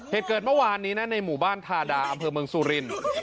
เหตุเกิดเมื่อวานนี้นะในหมู่บ้านทาดาอำเภอเมืองสุรินทร์